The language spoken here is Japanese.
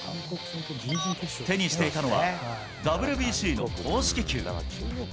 手にしていたのは、ＷＢＣの公式球。